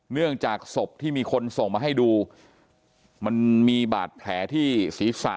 เนื่องจากศพที่มีคนส่งมาให้ดูมันมีบาดแผลที่ศีรษะ